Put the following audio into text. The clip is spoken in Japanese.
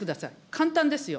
簡単ですよ。